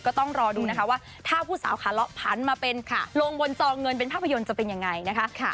ก็ต้องรอดูนะคะว่าถ้าผู้สาวขาเลาะผันมาเป็นลงบนจอเงินเป็นภาพยนตร์จะเป็นยังไงนะคะ